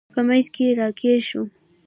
په منځ کې راګیر شوم.